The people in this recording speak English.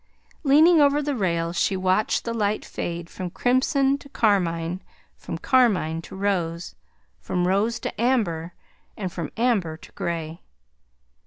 Leaning over the rail, she watched the light fade from crimson to carmine, from carmine to rose, from rose to amber, and from amber to gray.